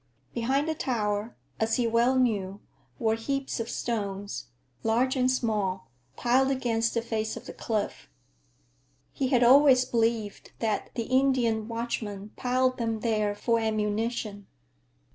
Behind the tower, as he well knew, were heaps of stones, large and small, piled against the face of the cliff. He had always believed that the Indian watchmen piled them there for ammunition.